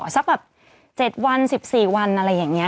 สักแบบ๗วัน๑๔วันอะไรอย่างนี้